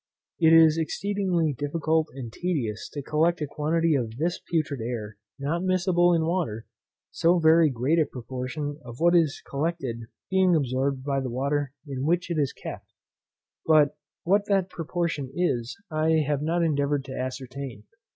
It is exceedingly difficult and tedious to collect a quantity of this putrid air, not miscible in water, so very great a proportion of what is collected being absorbed by the water in which it is kept; but what that proportion is, I have not endeavoured to ascertain.